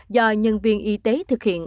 do nhân viên y tế thực hiện